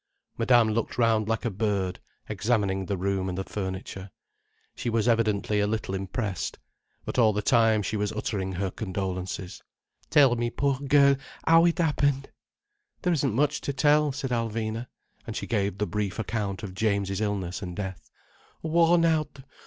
Madame looked round like a bird, examining the room and the furniture. She was evidently a little impressed. But all the time she was uttering her condolences. "Tell me, poor girl, how it happened?" "There isn't much to tell," said Alvina, and she gave the brief account of James's illness and death. "Worn out!